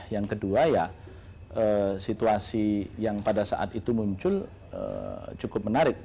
yang kedua ya situasi yang pada saat itu muncul cukup menarik